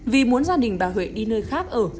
vì muốn gia đình bà huệ đi nơi khác ở